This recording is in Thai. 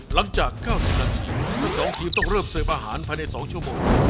หลังจาก๙นาทีทุกสองครูต้องเริ่มเสิร์ฟอาหารภายในสองชั่วโมง